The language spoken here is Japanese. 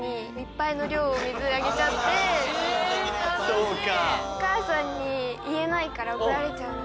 そうか。